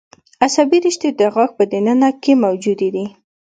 عصبي رشتې د غاښ په د ننه برخه کې موجود دي.